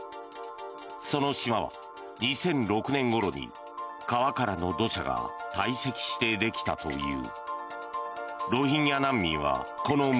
その島は、２００６年ごろに川からの土砂が堆積してできたという。